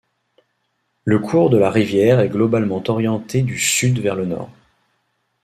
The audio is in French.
Le cours de la rivière est globalement orienté du sud vers le nord.